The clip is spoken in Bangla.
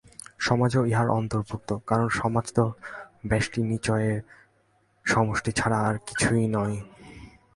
সমাজও ইহার অন্তর্ভুক্ত, কারণ সমাজ তো ব্যষ্টিনিচয়ের সমষ্টি ছাড়া আর কিছুই নয়।